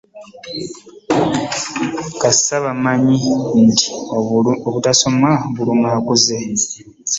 Kasita bamanyi kati nti obutasoma buluma akuze.